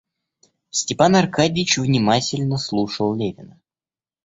Степан Аркадьич внимательно слушал Левина.